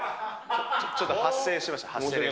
ちょっと発声しました。